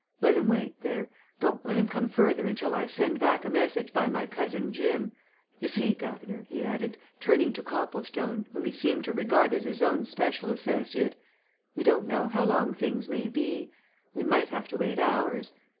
Let 'em wait there don't let 'em come further until I send back a message by my cousin Jim, You see, guv'nor," he added, turning to Copplestone, whom he seemed to regard as his own special associate, "we don't know how things may be. We might have to wait hours.